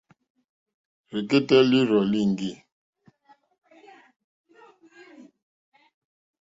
Rzɛ̀kɛ́tɛ́ lǐrzɔ̀ líŋɡî.